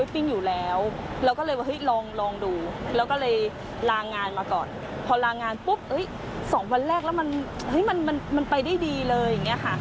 พอลางงานปุ๊บสองวันแรกแล้วมันไปได้ดีเลย